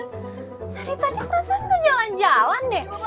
tadi tadi perasaan kau jalan jalan deh